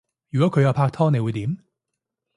如果佢有拍拖你會點？